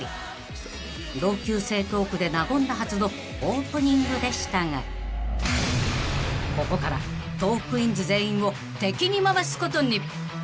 ［同級生トークで和んだはずのオープニングでしたがここからトークィーンズ全員を敵に回すことに］